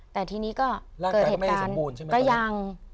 แต่ทีนี้ก็เกิดเหตุการณ์ร่างกายก็ไม่ได้สมบูรณ์ใช่ไหมยัง